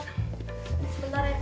sebentar ya kang